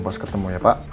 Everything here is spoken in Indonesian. pas ketemu ya pak